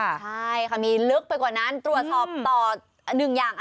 ใช่ค่ะมีลึกไปกว่านั้นตรวจสอบต่อหนึ่งอย่าง